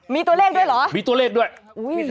มีตัวเลขด้วยเหรอมีตัวเลขด้วยอุ้ย